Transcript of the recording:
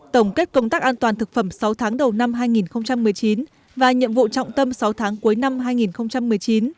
tổng kết công tác an toàn thực phẩm sáu tháng đầu năm hai nghìn một mươi chín và nhiệm vụ trọng tâm sáu tháng cuối năm hai nghìn một mươi chín